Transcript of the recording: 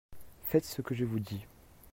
faites ce que je vous dis.